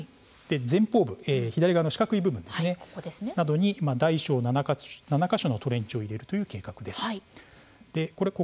前方部左側の四角い部分などに大小７か所のトレンチを入れる計画です。